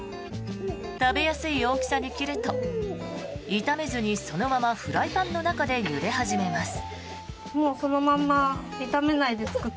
食べやすい大きさに切ると炒めずに、そのままフライパンの中でゆで始めます。